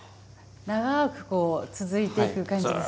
長くこう続いていく感じですね。